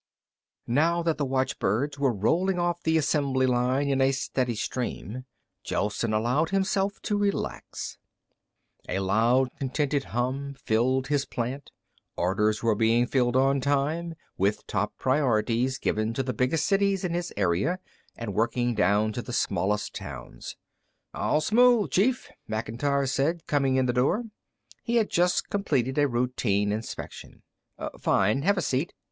Now that the watchbirds were rolling off the assembly line in a steady stream, Gelsen allowed himself to relax. A loud contented hum filled his plant. Orders were being filled on time, with top priorities given to the biggest cities in his area, and working down to the smallest towns. "All smooth, Chief," Macintyre said, coming in the door. He had just completed a routine inspection. "Fine. Have a seat."